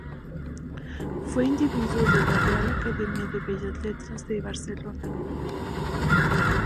Fue individuo de la Real Academia de Bellas Letras de Barcelona.